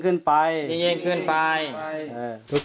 ข้าพเจ้านางสาวสุภัณฑ์หลาโภ